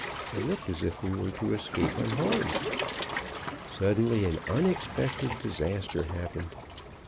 It looked as if we were to escape unharmed. "Suddenly an unexpected disaster happened.